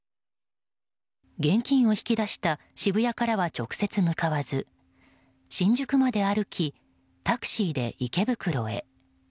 現金を引き出した渋谷からは直接向かわず新宿まで歩きタクシーで池袋へ。